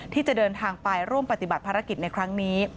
ที่จะเดินทางไปร่วมปฏิบัติภารกิจในครั้งนี้